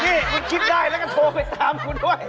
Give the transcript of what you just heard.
นี่มึงคิดได้แล้วมึงก็โทรไปตามกูด้วย